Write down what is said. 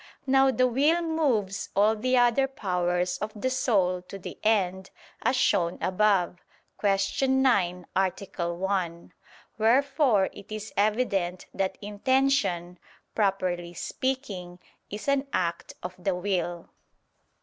Now the will moves all the other powers of the soul to the end, as shown above (Q. 9, A. 1). Wherefore it is evident that intention, properly speaking, is an act of the will.